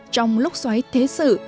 trong lúc xoáy thế sự